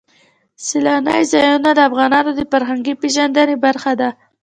سیلانی ځایونه د افغانانو د فرهنګي پیژندنې برخه ده.